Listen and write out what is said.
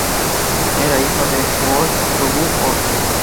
Era hijo del goði Tongu-Odd.